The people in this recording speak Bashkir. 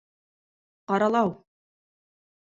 Ҡаралау!